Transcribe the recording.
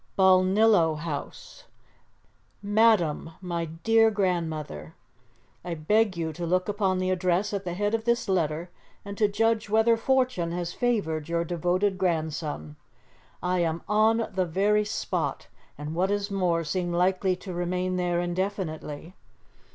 "BALNILLO HOUSE. "MADAM, MY DEAR GRANDMOTHER, "I beg you to look upon the address at the head of this letter, and to judge whether fortune has favoured your devoted grandson. "I am on the very spot, and, what is more, seem like to remain there indefinitely.